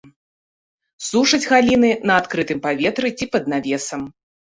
Сушаць галіны на адкрытым паветры ці пад навесамі.